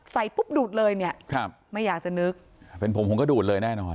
ปุ๊บดูดเลยเนี่ยครับไม่อยากจะนึกเป็นผมผมก็ดูดเลยแน่นอน